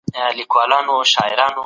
دا پروسه باید په ډیر دقت سره مدیریت سي.